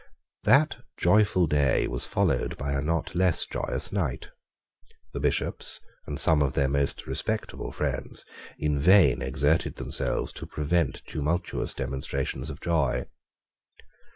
That joyful day was followed by a not less joyful night. The Bishops, and some of their most respectable friends, in vain exerted themselves to prevent tumultuous demonstrations of joy.